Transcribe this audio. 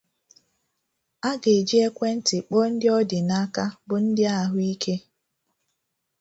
a ga-eji ekwenti kpọọ ndị ọ dị n’aka bụ ndị ahụike